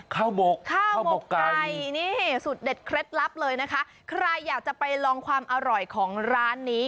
หมกข้าวหมกไก่นี่สุดเด็ดเคล็ดลับเลยนะคะใครอยากจะไปลองความอร่อยของร้านนี้